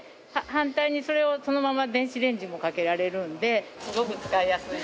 反対にそれをそのまま電子レンジにもかけられるんですごく使いやすい。